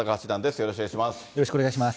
よろしくお願いします。